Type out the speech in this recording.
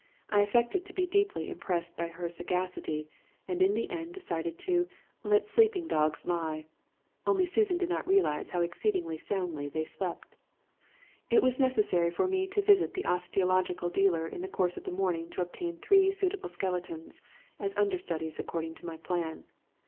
I affected to be deeply impressed by her sagacity and in the end decided to 'let sleeping dogs lie.' Only Susan did not realize how exceedingly soundly they slept. "It was necessary for me to visit the osteological dealer in the course of the morning to obtain three suitable skeletons as understudies according to my plan.